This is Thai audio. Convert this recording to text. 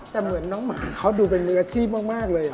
แต่เหมือนน้องหมาเขาดูเป็นมืออาชีพมากเลย